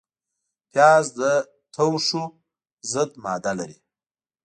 پیاز د توښو ضد ماده لري